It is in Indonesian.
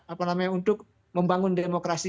apa namanya untuk membangun demokrasi